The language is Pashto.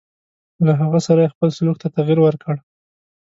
له هغه سره یې خپل سلوک ته تغیر ورکړ.